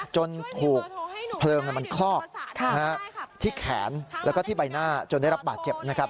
จนถูกเพลิงมันคลอกที่แขนแล้วก็ที่ใบหน้าจนได้รับบาดเจ็บนะครับ